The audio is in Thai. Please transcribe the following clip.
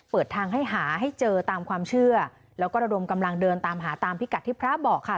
เปิดทางให้หาให้เจอตามความเชื่อแล้วก็ระดมกำลังเดินตามหาตามพิกัดที่พระบอกค่ะ